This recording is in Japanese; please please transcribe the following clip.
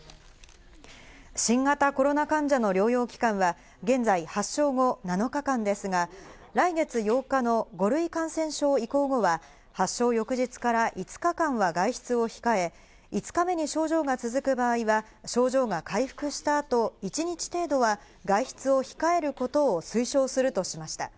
新型コロナ患者の療養期間は現在、発症後７日間ですが、来月８日の５類感染症移行後は、発症翌日から５日間は外出を控え、５日目に症状が続く場合は、症状が回復した後、１日程度は外出を控えることを推奨するとしました。